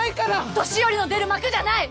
年寄りの出る幕じゃない！